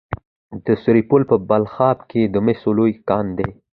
د سرپل په بلخاب کې د مسو لوی کان دی.